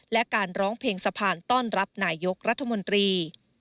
และการร้องเพลงสะพานต้อนรับนายกรัฐมนตรี